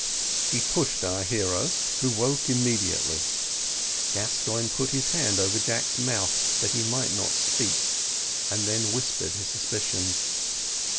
He pushed our hero, who woke immediately Gascoigne put his hand over Jack's mouth, that he might not speak, and then he whispered his suspicions.